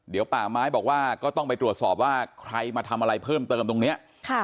เดี๋ยวป่าไม้บอกว่าก็ต้องไปตรวจสอบว่าใครมาทำอะไรเพิ่มเติมตรงนี้